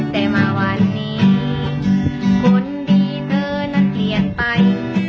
แต่มาวันนี้ผลดีเธอนั้นเปลี่ยนไป